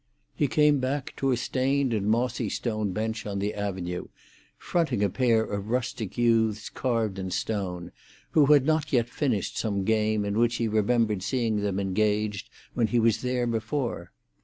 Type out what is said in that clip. He came back to a stained and mossy stone bench on the avenue, fronting a pair of rustic youths carved in stone, who had not yet finished some game in which he remembered seeing them engaged when he was there before.